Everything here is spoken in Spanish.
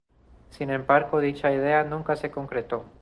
Sin embargo dicha idea nunca se concretó.